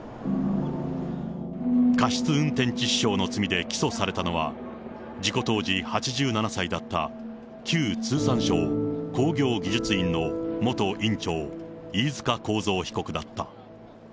過失運転致死傷の罪で起訴されたのは、事故当時８７歳だった、旧通産省工業技術院の元院長、飯塚幸三被告だった。